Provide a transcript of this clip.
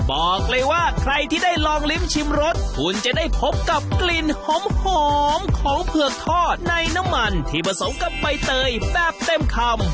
บอกเลยว่าใครที่ได้ลองลิ้มชิมรสคุณจะได้พบกับกลิ่นหอมของเผือกทอดในน้ำมันที่ผสมกับใบเตยแบบเต็มคำ